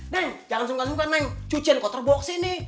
neng jangan sungkan sungkan neng cucian kotor bau kesini